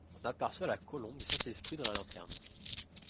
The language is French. On aperçoit la colombe du Saint-Esprit dans la lanterne.